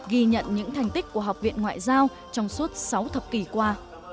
ghi nhận những thành tích của học viện ngoại giao trong suốt sáu thập kỷ qua